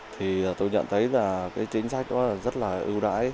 thì tôi nhận thấy chính sách rất ưu đại